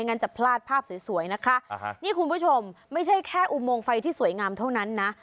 งั้นจะพลาดภาพสวยนะคะนี่คุณผู้ชมไม่ใช่แค่อุโมงไฟที่สวยงามเท่านั้นนะ